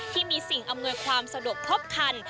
ที่มีสิ่งอำนวยความสะดวกครบคัน